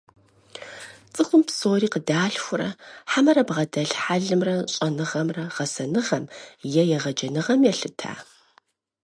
ЦӀыхум псори къыдалъхурэ, хьэмэрэ бгъэдэлъ хьэлымрэ щӀэныгъэмрэ гъэсэныгъэм е егъэджэныгъэм елъыта?